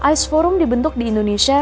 ice forum dibentuk di indonesia